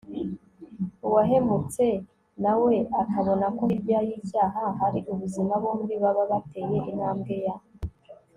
uwahemutse nawe akabona ko hirya y'icyaha hari ubuzima, bombi baba bateye intambwe ya